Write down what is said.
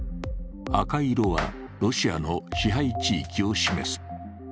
赤色はロシアの支配地域を示す。